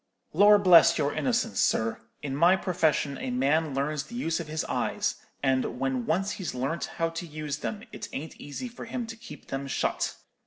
Lor' bless your innocence, sir; in my profession a man learns the use of his eyes; and when once he's learnt how to use them, it ain't easy for him to keep them shut.